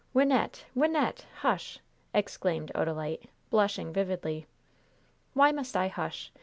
"Wynnette! Wynnette! Hush!" exclaimed Odalite, blushing vividly. "Why must I hush?